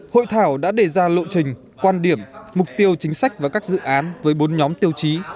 hội thảo đã đề ra lộ trình quan điểm mục tiêu chính sách và các dự án với bốn nhóm tiêu chí